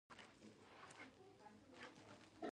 به لا یوه بله طریقه پرې ازموینه کړو.